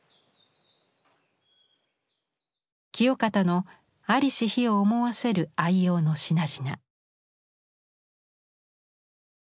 清方の在りし日を思わせる愛用の品々。